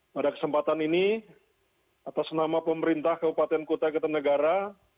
pada kesempatan ini atas nama pemerintah kabupaten kutai ketanegara